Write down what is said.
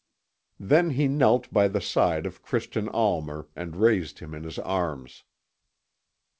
Then he knelt by the side of Christian Almer, and raised him in his arms.